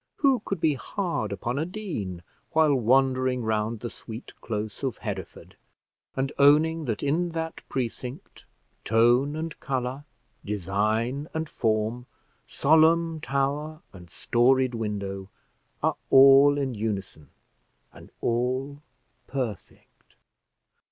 Who could be hard upon a dean while wandering round the sweet close of Hereford, and owning that in that precinct, tone and colour, design and form, solemn tower and storied window, are all in unison, and all perfect!